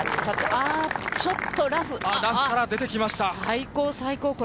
あーっ、ラフから出てきました。